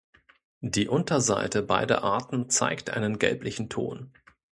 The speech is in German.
Die Unterseite beider Arten zeigt einen gelblichen Ton.